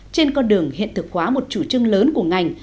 trên con đường hiện thực hóa một chủ trương lớn của ngành